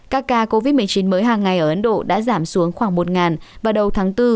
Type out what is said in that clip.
các ca covid một mươi chín mới hàng ngày ở ấn độ đã giảm xuống khoảng một vào đầu tháng bốn